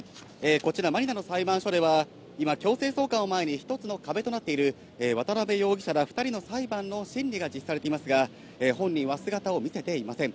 こちらマニラの裁判所では今、強制送還を前に、一つの壁となっている渡辺容疑者ら２人の裁判の審理が実施されていますが、本人は姿を見せていません。